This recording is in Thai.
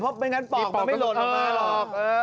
เพราะไม่งั้นปอกมันไม่หล่นออกมาหรอก